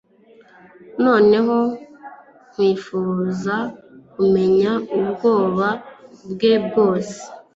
Noneho kwifuza kumenya ubwoba bwe bwose